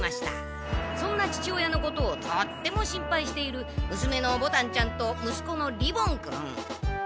そんな父親のことをとっても心配している娘の牡丹ちゃんと息子の利梵君。